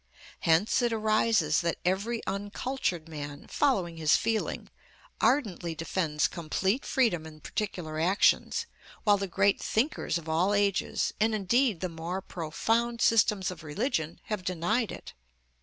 Hence it arises that every uncultured man, following his feeling, ardently defends complete freedom in particular actions, while the great thinkers of all ages, and indeed the more profound systems of religion, have denied it.